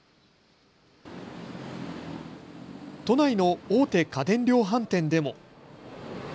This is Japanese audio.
都内の大手家電量販店でも。